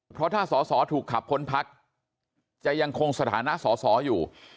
เพราะถ้าสอสอถูกขับพ้นพักจะยังคงสถานะสอสออยู่